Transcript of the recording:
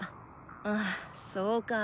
ああそうかぁ。